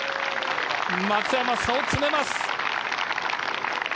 松山、差を詰めます。